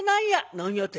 「何やて？」。